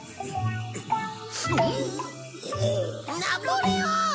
ナポレオン！